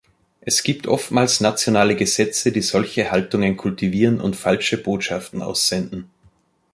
Es gibt oftmals nationale Gesetze, die solche Haltungen kultivieren und falsche Botschaften aussenden.